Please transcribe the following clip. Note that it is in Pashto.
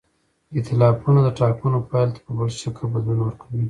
ایتلافونه د ټاکنو پایلو ته په بل شکل بدلون ورکوي.